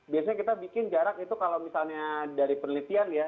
biasanya kita bikin jarak itu kalau misalnya dari penelitian ya